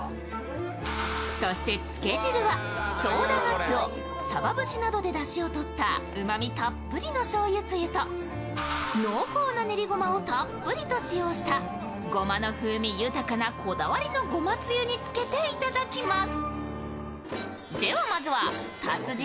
そしてつけ汁は宗田かつお、さば節などでたっぷりうまみを取ったうまみたっぷりのしょうゆつゆと濃厚な練りごまをたっぷりと使用したごまの風味豊かなこだわりのごまつゆにつけていただきます。